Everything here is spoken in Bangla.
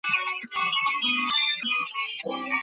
দুর্ভাগ্য আমার সমস্যা না।